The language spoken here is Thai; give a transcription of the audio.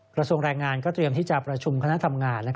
กระทรวงแรงงานก็เตรียมที่จะประชุมคณะทำงาน